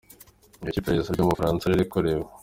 Ni iki iperereza ryo mu Bufaransa riri kureba?.